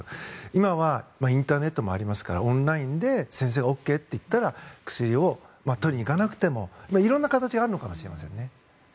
今はインターネットもあるのでオンラインで先生がＯＫと言ったら薬を取りに行かなくてもいろんな形があるのかもしれませんね。